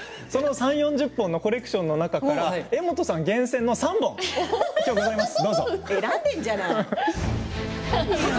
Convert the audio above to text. ３０、４０本のコレクションの中から柄本さん厳選の３本ございます。